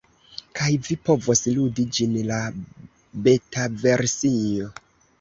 kaj vi povos ludi ĝin, la betaversio